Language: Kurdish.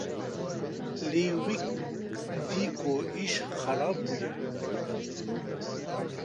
Lêwik dî ku îş xerab bûye.